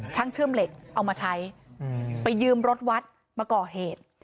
ช่างเชื่อมเหล็กเอามาใช้ไปยืมรถวัดมาก่อเหตุ